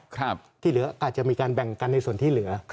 ที่เหลืออาจจะมีการแบ่งกันในส่วนที่เหลือ